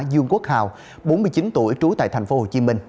dương quốc hào bốn mươi chín tuổi trú tại thành phố hồ chí minh